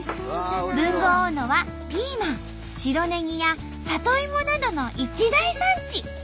豊後大野はピーマン白ねぎや里芋などの一大産地。